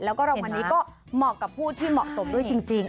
แล้วก็รางวัลนี้ก็เหมาะกับผู้ที่เหมาะสมด้วยจริง